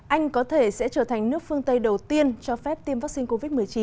anh có thể sẽ trở thành nước phương tây đầu tiên cho phép tiêm vaccine covid một mươi chín